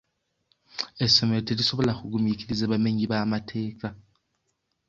Essomero terisobola kugumiikiriza bamenyi b'amateeka.